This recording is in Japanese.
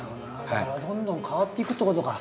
だからどんどん変わっていくってことか。